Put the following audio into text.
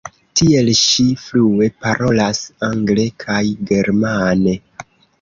Tiel ŝi flue parolas angle kaj germane.